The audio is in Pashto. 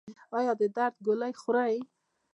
ایا د درد ګولۍ خورئ؟